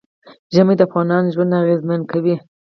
ژمی د افغانانو ژوند اغېزمن کوي.